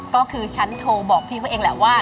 ก็คือฉันโทรบอกพี่เขาเองแหละว่า